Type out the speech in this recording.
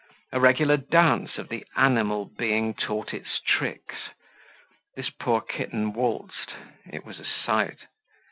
A regular dance of the animal being taught its tricks. This poor kitten waltzed. It was a sight!